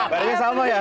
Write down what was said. barunya sama ya